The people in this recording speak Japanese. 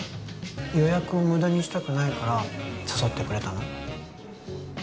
予約を無駄にしたくないから誘ってくれたの？